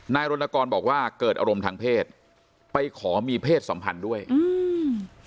รณกรบอกว่าเกิดอารมณ์ทางเพศไปขอมีเพศสัมพันธ์ด้วยอืม